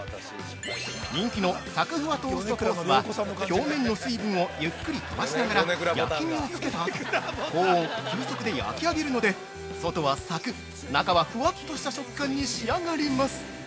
人気の「サクふわトーストコース」は表面の水分をゆっくり飛ばしながら焼き目をつけた後、高温・急速で焼き上げるので、外はサクっ、中はフワっとした食感に仕上がります！